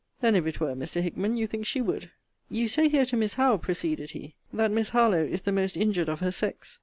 Then, if it were, Mr. Hickman, you think she would? You say here to Miss Howe, proceeded he, that Miss Harlowe is the most injured of her sex.